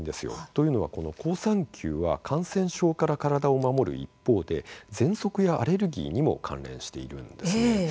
というのはこの好酸球は感染症から体を守る一方でぜんそくやアレルギーにも関連しているんです。